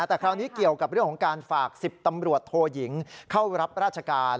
แต่คราวนี้เกี่ยวกับเรื่องของการฝาก๑๐ตำรวจโทยิงเข้ารับราชการ